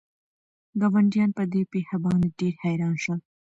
ګاونډیان په دې پېښه باندې ډېر حیران شول.